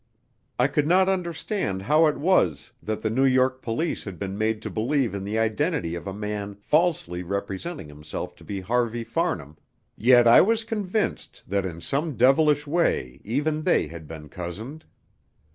I could not understand how it was that the New York police had been made to believe in the identity of a man falsely representing himself to be Harvey Farnham, yet I was convinced that in some devilish way even they had been cozened.